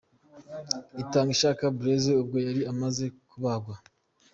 Itangishaka Blaise ubwo yari amaze kubagwa.